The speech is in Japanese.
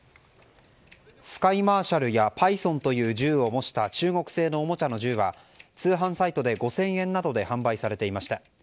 スカイマーシャルやパイソンという銃を模した中国製のおもちゃの銃は通販サイトで５０００円などで販売されていました。